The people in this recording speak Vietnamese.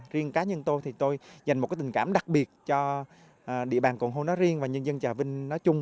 riêng cá nhân tôi thì tôi dành một tình cảm đặc biệt cho địa bàn cồn hô nó riêng và nhân dân trà vinh nói chung